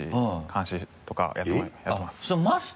監視とかやってます。